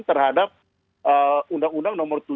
terhadap undang undang nomor tujuh